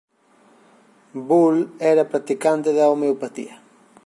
Boole era practicante da homeopatía.